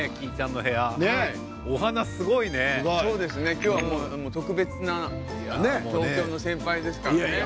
今日は特別な東京の先輩ですからね。